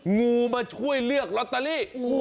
งูมาช่วยเลือกลอตเตอรี่